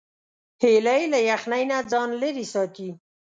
هیلۍ له یخنۍ نه ځان لیرې ساتي